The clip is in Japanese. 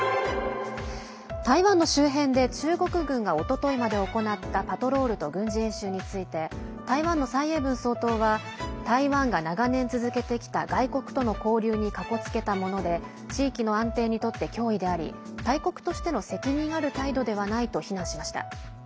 台湾の周辺で中国軍が、おとといまで行ったパトロールと軍事演習について台湾の蔡英文総統は台湾が長年続けてきた外国との交流にかこつけたもので地域の安定にとって脅威であり大国としての責任ある態度ではないと非難しました。